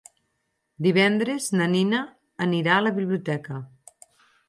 Divendres na Nina anirà a la biblioteca.